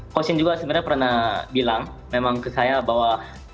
coaching juga sebenarnya pernah bilang memang ke saya bahwa